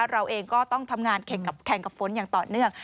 เราเองก็ต้องทำงานแข่งกับฝนอย่างต่อเนื่อง